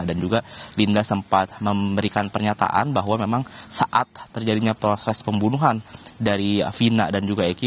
dan juga linda sempat memberikan pernyataan bahwa memang saat terjadinya proses pembunuhan dari vina dan juga eki